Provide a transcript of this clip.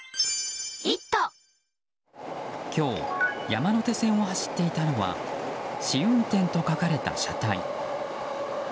今日、山手線を走っていたのは試運転と書かれた車体。